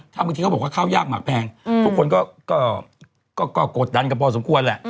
ถ้าบางทีเขาบอกว่าข้าวยากหมักแพงทุกคนก็กดดันกันพอสมควรแหละ